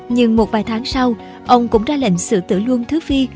nhưng một vài tháng sau ông cũng ra lệnh sự tử luôn thứ phi